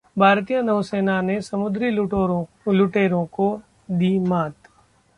भारतीय नौसेना ने समुद्री लुटेरों को दी मात